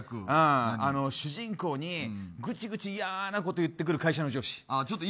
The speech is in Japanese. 主人公にぐちぐち嫌なこと言ってくる会社の上司。